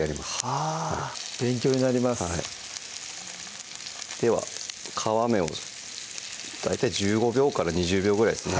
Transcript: はぁ勉強になりますでは皮目を大体１５秒２０秒ぐらいですね